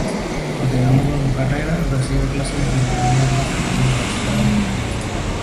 Continuando con su carrera, recibe clases de filología clásica en la Universidad de Lieja.